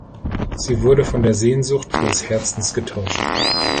Sie wurde von der Sehnsucht ihres Herzens getäuscht.